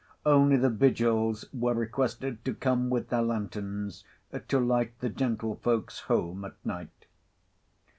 Only the Vigils were requested to come with their lanterns, to light the gentlefolks home at night.